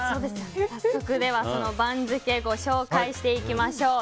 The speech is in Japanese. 早速、番付ご紹介していきましょう。